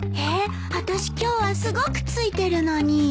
えっあたし今日はすごくついてるのに。